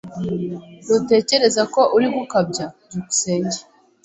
Ntutekereza ko uri gukabya? byukusenge